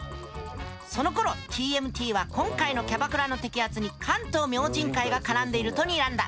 そのころＴＭＴは今回のキャバクラの摘発に関東明神会が絡んでいるとにらんだ。